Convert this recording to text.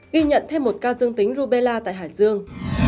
ghi nhận thêm một ca dương tính rubella tại hải dương